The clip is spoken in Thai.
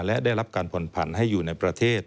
และได้รับการผ่อนผันให้อยู่ในประเทศ